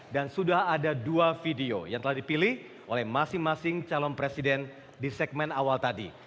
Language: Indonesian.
dan sudah ada dua video yang telah dipilih oleh masing masing calon presiden di segmen awal tadi